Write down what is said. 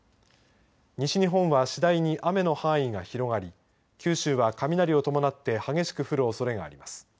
西日本は次第に雨の範囲が広がり九州は雷を伴って激しく降るおそれがあります。